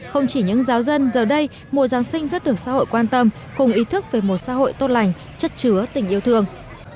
không chỉ những giáo dân giờ đây mùa giáng sinh rất được xã hội quan tâm cùng ý thức về một xã hội tốt lành chất chứa tình yêu thương